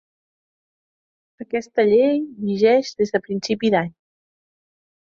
Aquesta llei vigeix des de principi d'any.